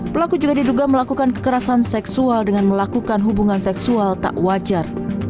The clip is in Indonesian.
pelaku juga diduga melakukan kekerasan seksual dengan melakukan hubungan seksual tak wajar